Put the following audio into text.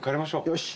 よし。